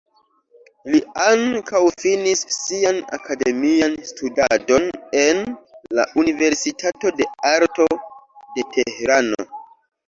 Li ankaŭ finis sian akademian studadon en la universitato de arto de Tehrano.